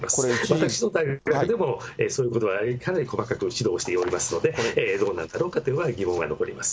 私の大学でも、そういうことはかなり細かく指導しておりますので、どうなんだろうかという疑問は残ります。